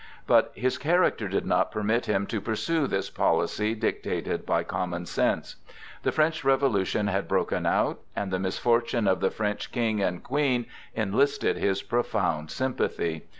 But his character did not permit him to pursue this policy dictated by common sense. The French Revolution had broken out, and the misfortunes of the French King and Queen enlisted his profound sympathy.